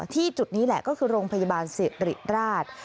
จุดนี้แหละก็คือโรงพยาบาลสิริราช